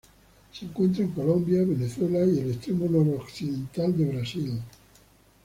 Se encuentra en Colombia, Venezuela y el extremo noroccidental de Brasil.